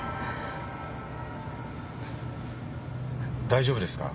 大丈夫ですか？